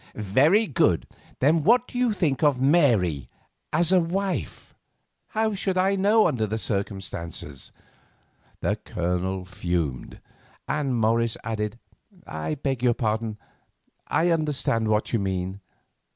"Very good, then what do you think of Mary as a wife?" "How should I know under the circumstances?" The Colonel fumed, and Morris added, "I beg your pardon, I understand what you mean."